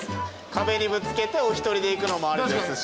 壁にぶつけてお一人でいくのもありですし。